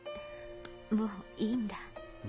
もういいんだ。